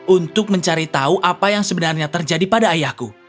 untuk mencari tahu apa yang sebenarnya terjadi pada ayahku